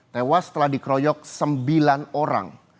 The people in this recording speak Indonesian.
tewas setelah dikeroyok sembilan orang